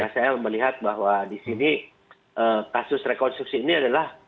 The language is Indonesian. saya melihat bahwa di sini kasus rekonstruksi ini adalah